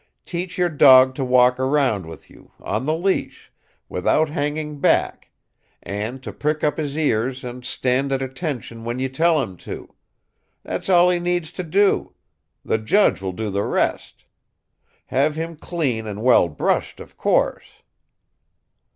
Teach your dog to walk around with you, on the leash, without hanging back, and to prick up his ears and stand at attention when you tell him to. That's all he needs to do. The judge will do the rest. Have him clean and well brushed, of course."